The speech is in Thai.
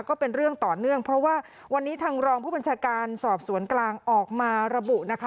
ก็เป็นเรื่องต่อเนื่องเพราะว่าวันนี้ทางรองผู้บัญชาการสอบสวนกลางออกมาระบุนะคะ